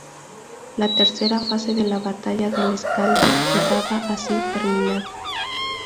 La tercera fase de la batalla del Escalda quedaba así terminada.